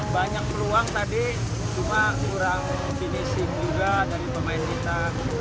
banyak peluang tadi cuma kurang finishing juga dari pemain kita